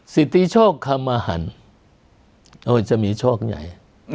สิติโชคคมาหันโอ้ยจะมีโชคใหญ่